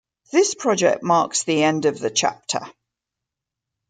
This project marks the end of the chapter.